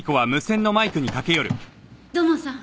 土門さん